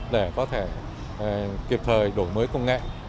để có thể kịp thời đổi mới công nghệ